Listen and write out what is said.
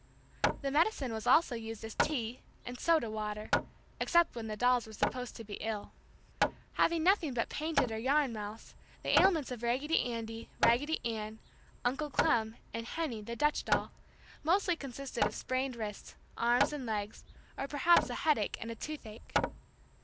The medicine was also used as "tea" and "soda water," except when the dolls were supposed to be ill. Having nothing but painted or yarn mouths, the ailments of Raggedy Andy, Raggedy Ann, Uncle Clem and Henny, the Dutch doll, mostly consisted of sprained wrists, arms and legs, or perhaps a headache and a toothache.